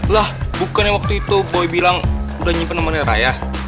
lah bukannya waktu itu boy bilang udah nyimpan temannya raya